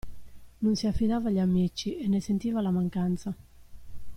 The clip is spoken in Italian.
Non si affidava agli amici, e ne sentiva la mancanza.